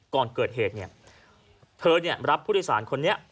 ก่อนเกิดเหตุเนี่ยเธอรับผู้โดยสารคนนี้